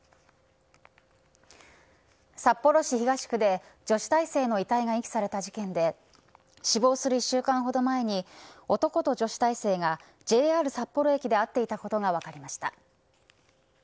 札幌市東区で女子大生の遺体が遺棄された事件で死亡する１週間ほど前に男と女子大生がＪＲ札幌駅で会っていたことが分かりました。